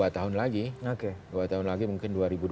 tahun lagi dua tahun lagi mungkin